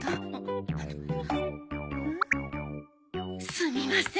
すみません。